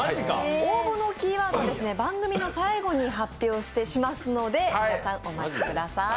応募のキーワードは番組の最後に発表しますので皆さん、お待ちください。